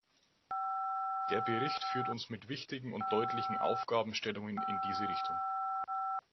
Der Bericht führt uns mit wichtigen und deutlichen Aufgabenstellungen in diese Richtung.